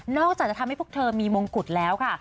จะทำให้พวกเธอมีมงกุฎแล้วค่ะ